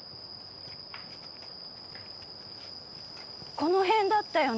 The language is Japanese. この辺だったよね？